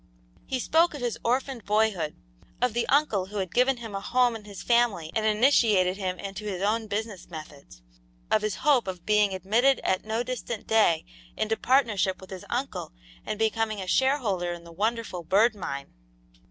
He spoke of his orphaned boyhood; of the uncle who had given him a home in his family and initiated him into his own business methods; of his hope of being admitted at no distant day into partnership with his uncle and becoming a shareholder in the wonderful Bird Mine.